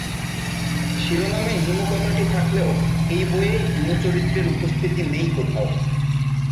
শিরোনামে 'হিমু' কথাটি থাকলেও এই বইয়ে হিমু চরিত্রের উপস্থিতি নেই কোথাও।